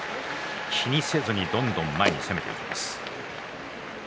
気にせずにどんどん攻めていきます。